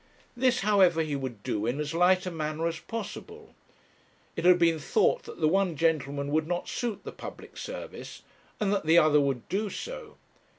This, however, he would do in as light a manner as possible. It had been thought that the one gentleman would not suit the public service, and that the other would do so.